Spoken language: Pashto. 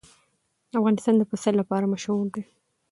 افغانستان د پسه لپاره مشهور دی.